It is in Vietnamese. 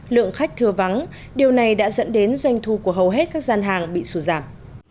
lượng khách thưa vắng điều này đã dẫn đến doanh thu của hầu hết các gian hàng bị sụt giảm